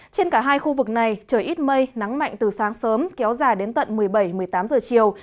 trên cả hai khu vực này trời ít mây nắng mạnh từ sáng sớm kéo dài đến tận một mươi bảy một mươi tám giờ chiều